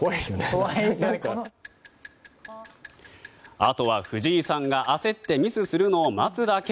あとは藤井さんが焦ってミスするのを待つだけ。